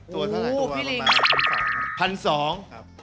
ตัวเท่าไหร่ประมาณพันสองครับพันสองครับพี่ลีง